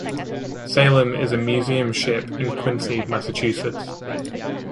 "Salem" is a museum ship in Quincy, Massachusetts.